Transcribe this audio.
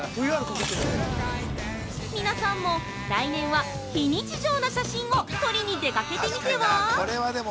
皆さんも来年は非日常な写真を撮りに出かけてみては？